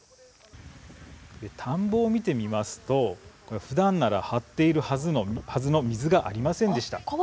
田んぼを見てみますとふだんなら張っているはずの水がありませんでした。